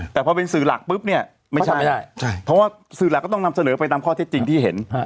แต่พอเป็นสื่อหลักปุ๊บเนี่ยไม่ใช่เพราะว่าสื่อหลักก็ต้องนำเสนอไปตามข้อเท็จจริงที่เห็น